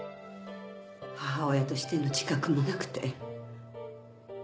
母親としての自覚もなくて。